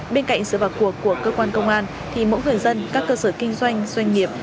bên cạnh sự vào cuộc của cơ quan công an thì mỗi người dân các cơ sở kinh doanh doanh nghiệp